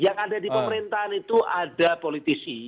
yang ada di pemerintahan itu ada politisi